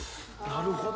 なるほど！